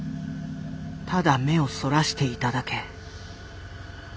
ただ目をそらしていただけ。